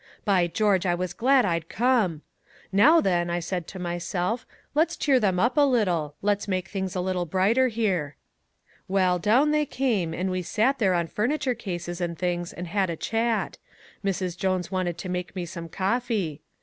By George, I was glad I'd come. 'Now then,' I said to myself, 'let's cheer them up a little, let's make things a little brighter here.' "Well, down they came and we sat there on furniture cases and things and had a chat. Mrs. Jones wanted to make me some coffee.